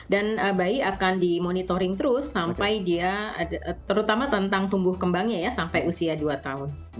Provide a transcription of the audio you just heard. dan bayi akan dimonitoring terus sampai dia terutama tentang tumbuh kembangnya ya sampai usia dua tahun